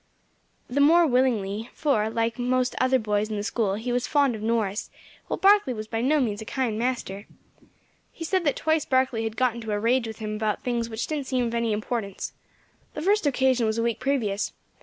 "The more willingly, for, like most other boys in the School, he was fond of Norris, while Barkley was by no means a kind master. He said that twice Barkley had got into a rage with him about things which didn't seem of any importance. The first occasion was a week previous.